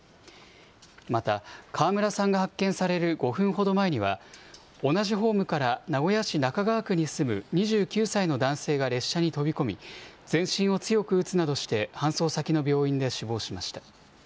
また、川村さんが発見される５分ほど前には、同じホームから名古屋市中川区に住む２９歳の男性が列車に飛び込み、全身を強く打つなどして搬送先の病院で死亡しました。